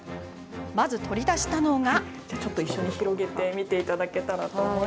まず取り出したのが。